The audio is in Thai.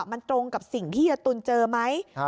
มันตรงกับสิ่งที่ยายตุ๋นเจอไหม